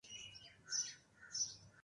نج سندھی زبان میں خالص کوکہتے ہیں۔